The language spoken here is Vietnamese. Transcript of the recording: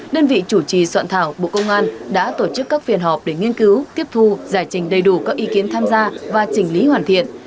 đơn vị chủ trì soạn thảo bộ công an đã tổ chức các phiên họp để nghiên cứu tiếp thu giải trình đầy đủ các ý kiến tham gia và chỉnh lý hoàn thiện